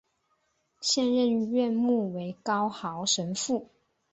现任院牧为高豪神父。